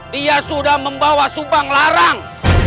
dia sudah membawa subang larang